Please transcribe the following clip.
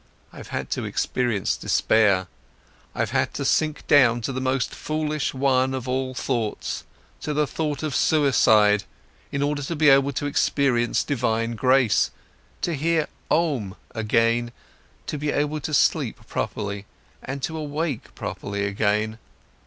I've had to experience despair, I've had to sink down to the most foolish one of all thoughts, to the thought of suicide, in order to be able to experience divine grace, to hear Om again, to be able to sleep properly and awake properly again.